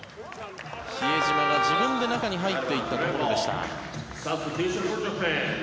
比江島が自分で中に入っていったところでした。